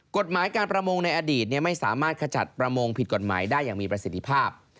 กฎหมายการประมงในอดีตไม่สามารถขจัดประมงผิดกฎหมายได้อย่างมีประสิทธิภาพ